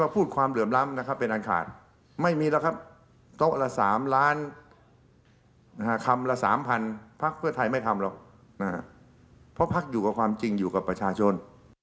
เพราะภักดิ์อยู่กับความจริงอยู่กับประชาชน